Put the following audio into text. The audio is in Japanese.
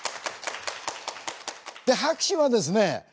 拍手はですね